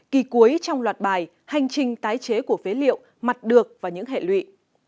kỳ cuối trong loạt bài hành trình tái chế của phế liệu mặt được và những hệ lụy